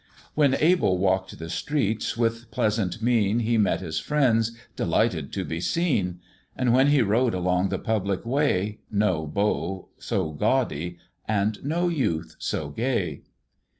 When Abel walked the streets, with pleasent mien He met his friends, delighted to be seen; And when he rode along the public way, No beau so gaudy, and no youth so gay.